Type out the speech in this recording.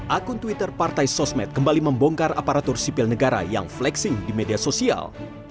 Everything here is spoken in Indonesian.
akun twitter partai sosmed kembali membongkar aparatur sipil negara yang flexing di media sosial